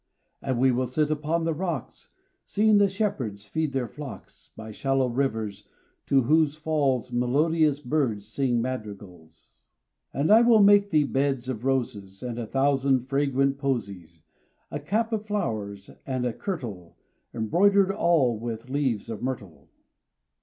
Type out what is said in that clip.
And we will sit upon the rocks, Seeing the shepherds feed their flocks By shallow rivers to whose falls Melodious birds sing madrigals. And I will make thee beds of roses And a thousand fragrant posies, A cap of flowers, and a kirtle Embroider'd all with leaves of myrtle.